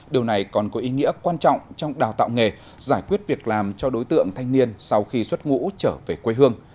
điều này còn có ý nghĩa quan trọng trong đào tạo nghề giải quyết việc làm cho đối tượng thanh niên sau khi xuất ngũ trở về quê hương